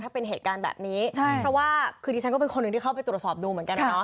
ถ้าเป็นเหตุการณ์แบบนี้ใช่เพราะว่าคือดิฉันก็เป็นคนหนึ่งที่เข้าไปตรวจสอบดูเหมือนกันนะเนาะ